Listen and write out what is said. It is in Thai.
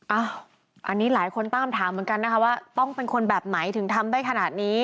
อันนี้หลายคนตั้งคำถามเหมือนกันนะคะว่าต้องเป็นคนแบบไหนถึงทำได้ขนาดนี้